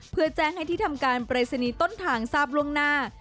เพื่อแจ้งให้ที่ทำการปรายศนีย์ต้นทางทราบล่วงหน้า